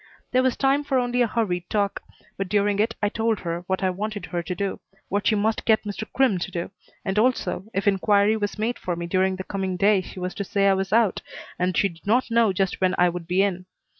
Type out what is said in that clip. There was time for only a hurried talk, but during it I told her what I wanted her to do, what she must get Mr. Crimm to do, and also, if inquiry was made for me during the coming day she was to say I was out and she did not know just when I would be in.